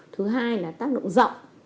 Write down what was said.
thứ hai là tác động rộng